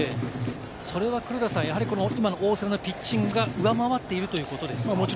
これは大瀬良のピッチングが上回っているということですか？